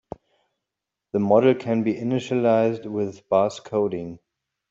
The model can be initialized with sparse coding.